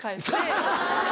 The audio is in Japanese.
ハハハ！